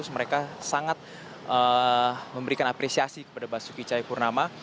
mereka sangat memberikan apresiasi kepada basuki cahayapurnama